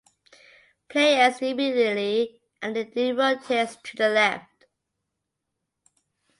Play ends immediately and the deal rotates to the left.